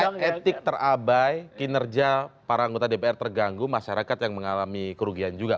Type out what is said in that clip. ketika etik terabai kinerja para anggota dpr terganggu masyarakat yang mengalami kerugian juga